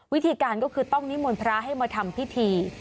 วิธีการก็คือต้องนิมนต์พระให้มาทำพิธี